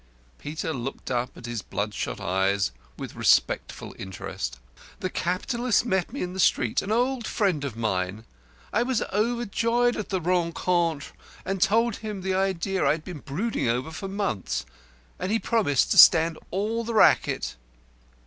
Peter looked up at his bloodshot eyes with respectful interest. "The capitalist met me in the street an old friend of mine I was overjoyed at the rencontre and told him the idea I'd been brooding over for months, and he promised to stand all the racket."